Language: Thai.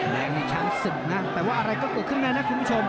แดงนี่ช้างศึกนะแต่ว่าอะไรก็เกิดขึ้นได้นะคุณผู้ชม